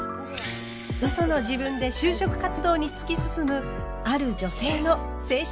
嘘の自分で就職活動に突き進むある女性の青春物語。